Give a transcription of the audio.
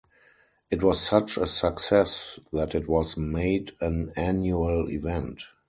It was such a success that it was made an annual event.